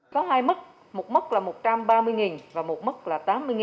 có hai mức một mức là một trăm ba mươi và một mức là tám mươi